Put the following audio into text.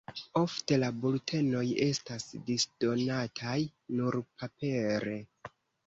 Ofte la bultenoj estas disdonataj nur papere.